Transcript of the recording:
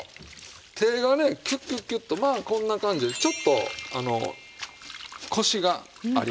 手がねキュッキュッキュッとまあこんな感じでちょっとコシがありますわこれ。